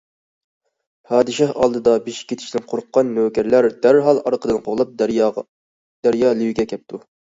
پادىشاھ ئالدىدا بېشى كېتىشتىن قورققان نۆكەرلەر دەرھال ئارقىدىن قوغلاپ دەريا لېۋىگە كەپتۇ.